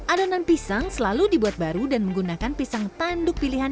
adonan pisang selalu dibuat baru dan menggunakan pisang tanduk pilihan